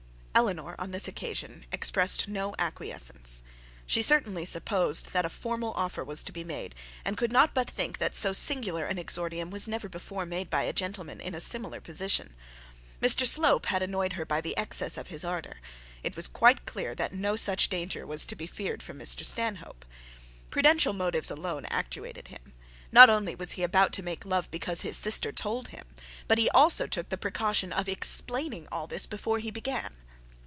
Eleanor on this occasion expressed no acquiescence. She certainly supposed that a formal offer was to be made, and could not but think that so singular an exordium was never before made by a gentleman in a similar position. Mr Slope had annoyed her by the excess of his ardour. It was quiet clear that no such danger was to be feared from Mr Stanhope. Prudential motives alone actuated him. Not only was he about to make love because his sister told him, but he also took the precaution of explaining all this before he began.